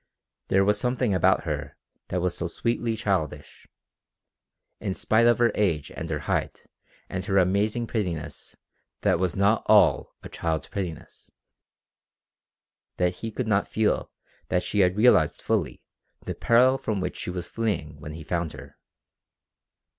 There was something about her that was so sweetly childish in spite of her age and her height and her amazing prettiness that was not all a child's prettiness that he could not feel that she had realized fully the peril from which she was fleeing when he found her.